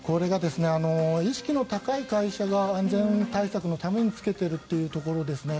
意識が高い会社が安全対策のためにつけているというところですね。